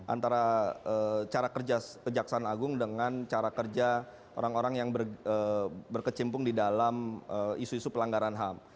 antara cara kerja kejaksaan agung dengan cara kerja orang orang yang berkecimpung di dalam isu isu pelanggaran ham